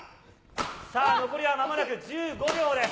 さあ、残りはまもなく１５秒です。